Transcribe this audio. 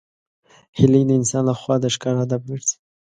هیلۍ د انسان له خوا د ښکار هدف ګرځي